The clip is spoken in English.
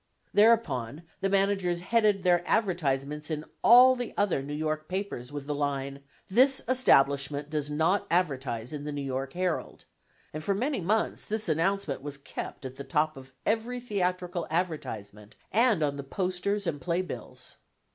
Thereupon, the managers headed their advertisements in all the other New York papers with the line, "This Establishment does not advertise in the New York Herald," and for many months this announcement was kept at the top of every theatrical advertisement and on the posters and playbills.